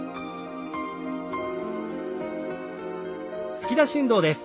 突き出し運動です。